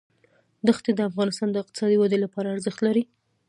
دښتې د افغانستان د اقتصادي ودې لپاره ارزښت لري.